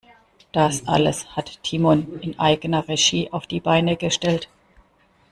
Das alles hat Timon in eigener Regie auf die Beine gestellt.